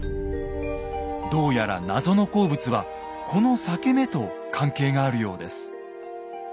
どうやら謎の鉱物はこの裂け目と関係があるようです。